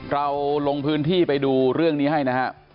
เราลงพื้นที่ไปดูเรื่องนี้ให้นะครับ